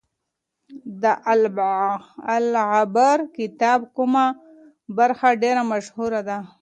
د العبر کتاب کومه برخه ډیره مشهوره ده؟